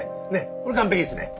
これ完璧ですね。